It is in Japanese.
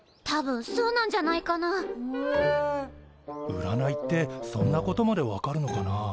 うらないってそんなことまでわかるのかな？